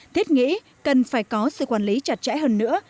thiết nghĩ cần phải có sự quản lý chặt chẽ hơn nữa